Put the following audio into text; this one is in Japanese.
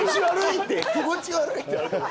気持ち悪いって？